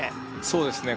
そうですね